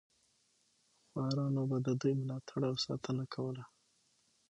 خوارانو به د دوی ملاتړ او ساتنه کوله.